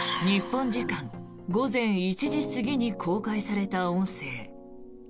日本時間午前１時過ぎに公開された音声。